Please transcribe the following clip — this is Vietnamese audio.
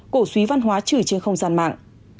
cổ suý văn hóa chửi trên không gian mạng